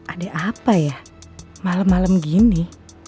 ada apa ya malem malem gini